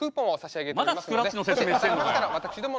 まだスクラッチの説明してんのかよ！